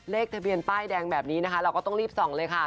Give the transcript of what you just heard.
เลขทะเบียนป้ายแดงแบบนี้นะคะเราก็ต้องรีบส่องเลยค่ะ